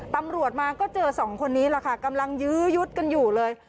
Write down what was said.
ตำรวจมาก็เจอสองคนนี้แหละค่ะกำลังยื้อยุดกันอยู่เลย